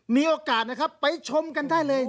มีโอกาสนะครับไปชมกันได้เลย